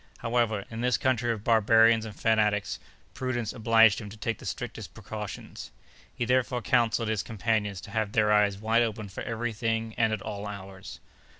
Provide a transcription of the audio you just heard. However, in this country of barbarians and fanatics, prudence obliged him to take the strictest precautions. He therefore counselled his companions to have their eyes wide open for every thing and at all hours.